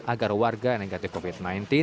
agar warga negatif covid sembilan belas